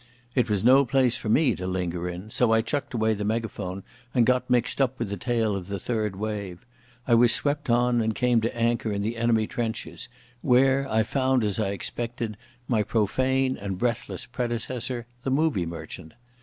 It was no place for me to linger in, so I chucked away the megaphone and got mixed up with the tail of the third wave. I was swept on and came to anchor in the enemy trenches, where I found, as I expected, my profane and breathless predecessor, the movie merchant.